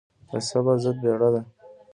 د صبر ضد بيړه ده.